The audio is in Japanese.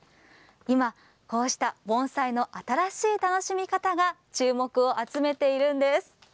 今、こうした盆栽の新しい楽しみ方が注目を集めているんです。